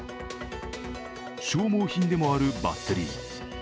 消耗品でもあるバッテリー。